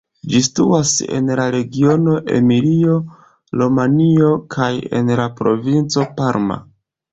Ĝi situas en la regiono Emilio-Romanjo kaj en la provinco Parma.